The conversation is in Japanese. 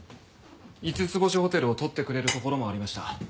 五つ星ホテルを取ってくれるところもありました。